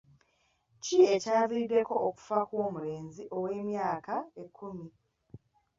Ki ekyaviiriddeko okufa kw'omulenzi ow'emyaka ekkumi?